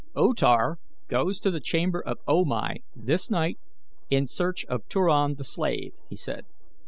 "O Tar goes to the chamber of O Mai this night in search of Turan the slave," he said.